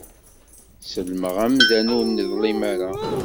Sellmeɣ amdan ur neḍlim ara.